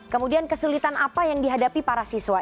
kemudian kesulitan apa yang dihadapi para siswa